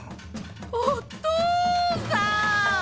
おとさん！